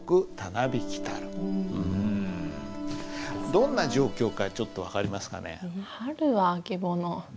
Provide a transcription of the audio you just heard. どんな状況かちょっと分かりますかね？